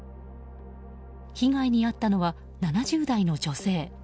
被害に遭ったのは７０代の女性。